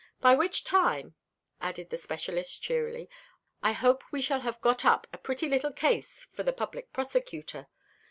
By which time," added the specialist cheerily, "I hope we shall have got up a pretty little case for the Public Prosecutor.